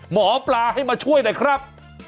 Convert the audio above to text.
หมอปลาให้มาช่วยหน่อยครับ